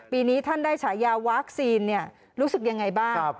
ปีนี้ท่านได้ฉายาวัคซีนรู้สึกยังไงบ้าง